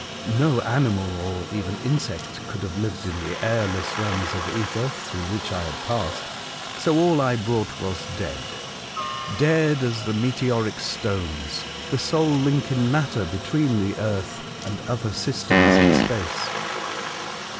No animal or even insect could have lived in the airless realms of ether through which I had passed, so all I brought was dead — dead as the meteoric stones, the sole link in matter between the earth and other systems in space.